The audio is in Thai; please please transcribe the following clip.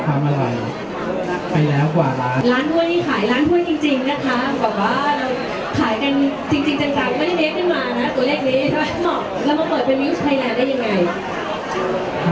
กำลังจุดเค้กกันอยู่เลยนะคะ